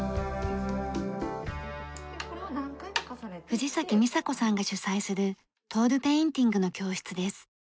藤崎ミサ子さんが主宰するトールペインティングの教室です。